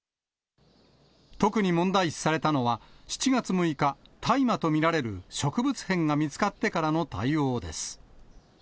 特に問題視されたのは、７月６日、大麻と見られる植物片が見つかってからの対応です。